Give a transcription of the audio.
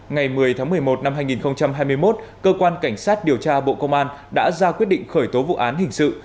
ngày một mươi tháng một mươi một năm hai nghìn hai mươi một cơ quan cảnh sát điều tra bộ công an đã ra quyết định khởi tố vụ án hình sự